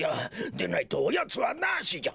でないとおやつはなしじゃ！